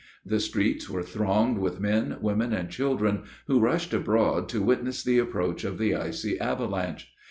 The streets were thronged with men, women, and children, who rushed abroad to witness the approach of the icy avalanche.